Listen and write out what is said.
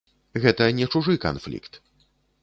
Гэта не чужы канфлікт.